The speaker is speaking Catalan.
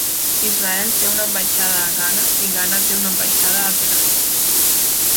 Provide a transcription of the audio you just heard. Israel té una ambaixada a Ghana i Ghana té una ambaixada a Tel Aviv.